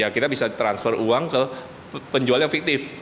kita bisa transfer uang ke penjual yang fiktif